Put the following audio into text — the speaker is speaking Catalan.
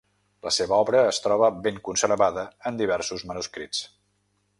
La seva obra es troba ben conservada en diversos manuscrits.